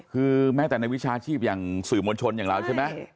คือแม้แต่ในวิชาชีพอย่างสื่อมวลชนอย่างเราใช่ไหม